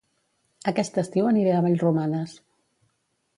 Aquest estiu aniré a Vallromanes